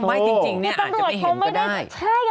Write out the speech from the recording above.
ไม่จริงอาจจะไม่เห็นก็ได้